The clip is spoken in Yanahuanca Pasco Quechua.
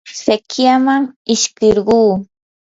sikyaman ishkirquu.